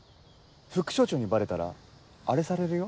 副署長にバレたらアレされるよ。